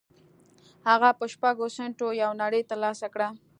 هغه په شپږو سينټو یوه نړۍ تر لاسه کړه